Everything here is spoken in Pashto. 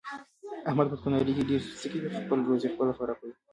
احمد په دوکاندارۍ کې ډېره سستي کوي، خپله روزي په خپله خرابوي.